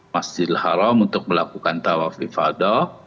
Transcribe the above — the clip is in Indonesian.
masjidil haram untuk melakukan tawafifadah